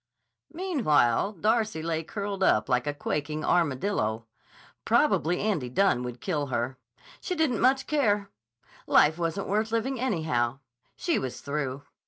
Meanwhile Darcy lay curled up like a quaking armadillo. Probably Andy Dunne would kill her. She didn't much care. Life wasn't worth living, anyhow. She was through.